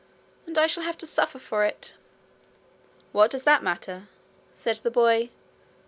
'And I shall have to suffer for it.' 'What does that matter?' said the boy.